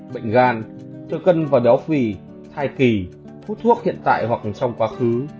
bệnh gan thơ cân và đéo phì thai kỳ hút thuốc hiện tại hoặc trong quá khứ